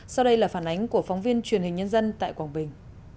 sau đây là phản ánh của phóng viên truyền hình nhân dân tại quảng bình